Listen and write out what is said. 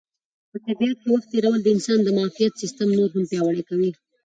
په طبیعت کې وخت تېرول د انسان د معافیت سیسټم نور هم پیاوړی کوي.